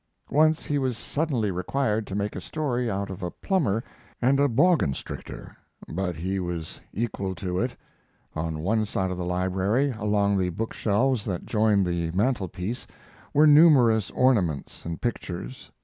Once he was suddenly required to make a story out of a plumber and a "bawgunstrictor," but he was equal to it. On one side of the library, along the book shelves that joined the mantelpiece, were numerous ornaments and pictures.